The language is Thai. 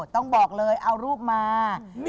ต้องบอกเลยเอารูปมา